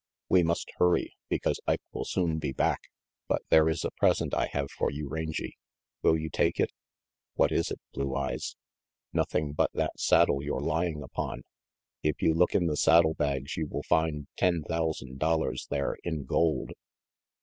"We must hurry, because Ike will soon be back. But there is a present I have for you, Rangy. Will you take it?" "What is it, Blue Eyes?" "Nothing but that saddle you're lying upon. If you look in the saddle bags you will find ten thousand dollars there in gold."